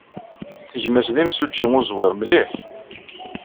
Gma-s d imsujji uẓwir mliḥ.